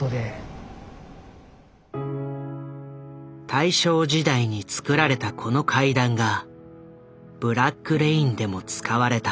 大正時代に造られたこの階段が「ブラック・レイン」でも使われた。